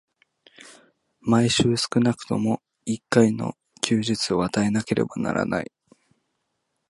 毎週少くとも一回の休日を与えなければならない。